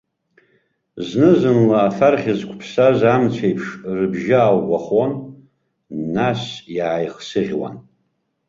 Зны-зынла, афархь зқәыԥсаз амцеиԥш, рыбжьы ааӷәӷәахон, нас иааихсыӷьхуан.